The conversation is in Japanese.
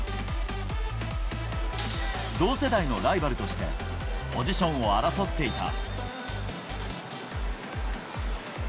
同世代のライバルとして、ポジションを争っていた。